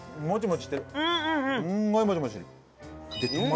もう。